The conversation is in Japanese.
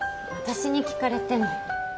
私に聞かれても。